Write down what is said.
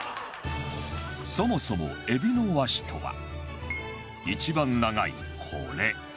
そもそもエビの足とは一番長いこれ